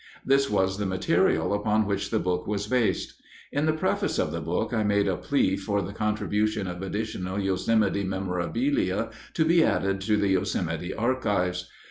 This was the material upon which the book was based. In the preface of the book I made a plea for the contribution of additional Yosemite memorabilia to be added to the Yosemite archives.